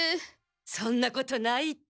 そんなことないって。